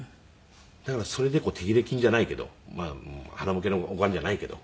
だからそれで手切れ金じゃないけどはなむけのお金じゃないけど。